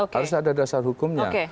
harus ada dasar hukumnya